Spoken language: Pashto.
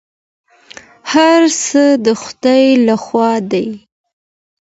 هر څه د خدای لخوا دي.